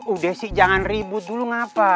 udah sih jangan ribut dulu ngapa